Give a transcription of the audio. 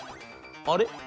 『あれ？